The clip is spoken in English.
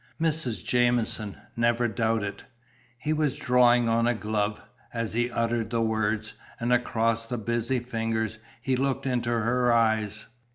"Mrs. Jamieson, never doubt it." He was drawing on a glove, as he uttered the words, and across the busy fingers he looked into her eyes.